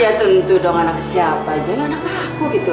ya tentu dong anak siapa aja yang anak laku gitu